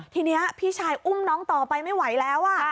ทีนี้พี่ชายอุ้มน้องต่อไปไม่ไหวแล้ว